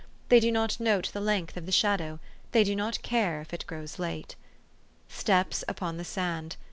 They do not note the length of the shadow. They do not care if it grows late. Steps upon the sand.